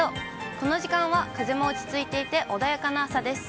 この時間は風も落ち着いていて、穏やかな朝です。